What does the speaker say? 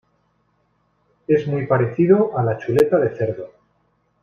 Es muy parecido a la chuleta de cerdo.